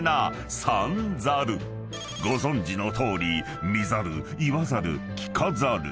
［ご存じのとおり見ざる言わざる聞かざる］